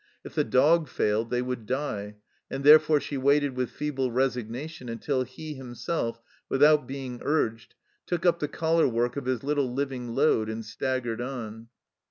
If the dog failed they would die, and therefore she waited with feeble resignation until he himself, without being urged, took up the collar work of his little living load and staggered on.